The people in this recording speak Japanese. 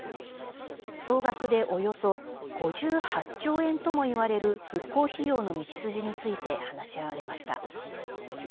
総額でおよそ５８兆円ともいわれる復興費用の道筋について話し合われました。